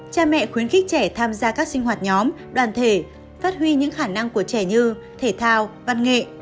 cha mẹ khuyến khích trẻ tham gia các sinh hoạt nhóm đoàn thể phát huy những khả năng của trẻ như thể thao văn nghệ